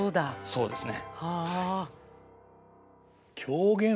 そうですね。